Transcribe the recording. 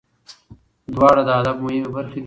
دواړه د ادب مهمې برخې دي.